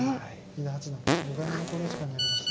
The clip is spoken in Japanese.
伊田八段５回目の考慮時間に入りました。